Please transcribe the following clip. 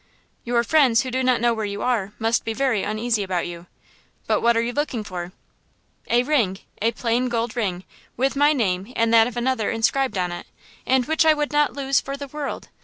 "Your friends, who do not know where you are, must be very uneasy about you. But what are you looking for?" "A ring, a plain gold circle, with my name and that of another inscribed on it, and which I would not lose for the world.